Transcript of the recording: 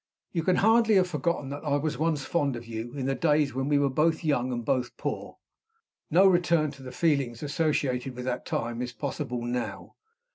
"You can hardly have forgotten that I was once fond of you, in the days when we were both young and both poor. No return to the feelings associated with that time is possible now.